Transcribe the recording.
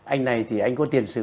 anh này thì anh có tiền sử